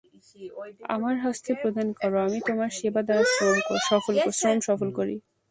আমার হস্তে প্রদান কর, আমি তোমার সেবা দ্বারা শ্রম সফল করি।